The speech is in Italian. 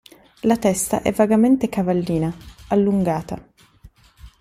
La testa è vagamente cavallina, allungata.